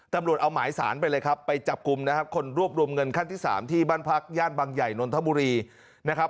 ตำรวจเอาหมายสารไปเลยครับไปจับกลุ่มนะครับคนรวบรวมเงินขั้นที่๓ที่บ้านพักย่านบางใหญ่นนทบุรีนะครับ